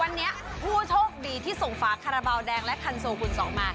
วันนี้ผู้โชคดีที่สงฟ้าคาราบาวแดงและคันโทรคุณสองมา